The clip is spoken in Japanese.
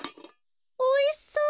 おいしそう。